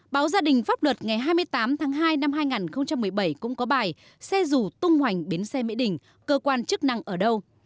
báo gia đình pháp luật ngày hai mươi tám tháng hai năm hai nghìn một mươi bảy cũng có bài xe rủ tung hoành biến xe mỹ đình cơ quan chức năng ở đâu